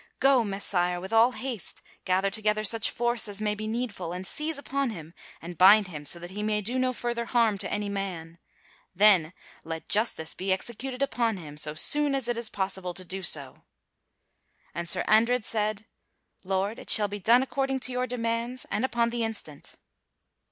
Go, Messire, with all haste, gather together such force as may be needful, and seize upon him and bind him so that he may do no further harm to any man. Then let justice be executed upon him so soon as it is possible to do so." And Sir Andred said: "Lord, it shall be done according to your demands and upon the instant."